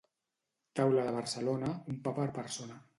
Taula de Barcelona, un pa per persona.